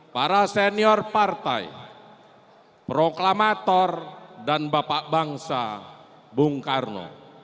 para senior partai proklamator dan bapak bangsa bung karno